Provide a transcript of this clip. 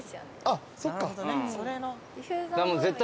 あっそっか。